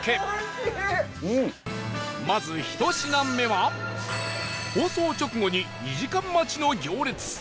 まず、１品目は放送直後に２時間待ちの行列